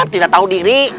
tidak tahu diri